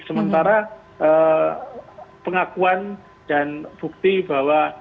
sementara pengakuan dan bukti bahwa